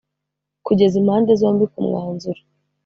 Kugeza impande zombi ku mwanzuro.